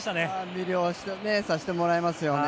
魅了させてもらえますよね。